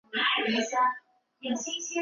鹅岛从东面与陆地隔开。